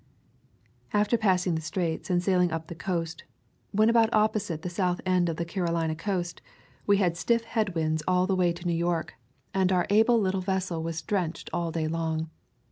After passing the Straits and sailing up the coast, when about opposite the south end of the Carolina coast, we had stiff head winds all the [ 182 ] To California way to New York and our able little vessel was drenched all day long.